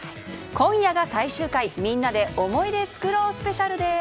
今夜が最終回、みんなで思い出作ろうスペシャルです。